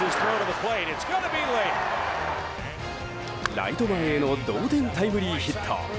ライト前への同点タイムリーヒット。